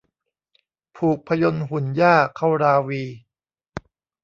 ผูกพยนต์หุ่นหญ้าเข้าราวี